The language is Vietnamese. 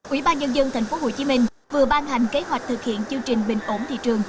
ủy ban nhân dân tp hcm vừa ban hành kế hoạch thực hiện chương trình bình ổn thị trường